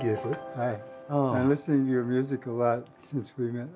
はい。